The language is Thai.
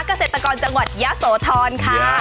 เกษตรกรจังหวัดยะโสธรค่ะ